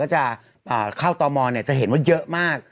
ก็จะเข้าตอมอลเนี่ยจะเห็นว่าเยอะมาก